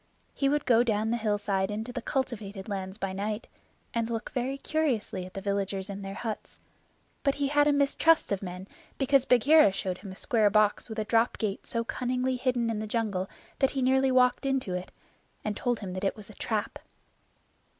He would go down the hillside into the cultivated lands by night, and look very curiously at the villagers in their huts, but he had a mistrust of men because Bagheera showed him a square box with a drop gate so cunningly hidden in the jungle that he nearly walked into it, and told him that it was a trap.